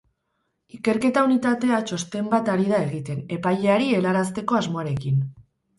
Ikerketa-unitatea txosten bat ari da egiten, epaileari helarazteko asmoarekin.